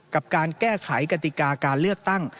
กับการแก้ไขกติกาการเลือกตั้ง